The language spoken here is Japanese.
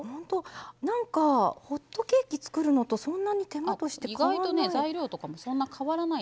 なんかホットケーキ作るのとそんなに手間として変わらない。